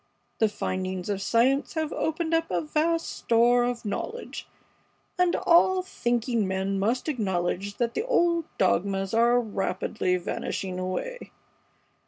The findings of science have opened up a vast store of knowledge, and all thinking men must acknowledge that the old dogmas are rapidly vanishing away.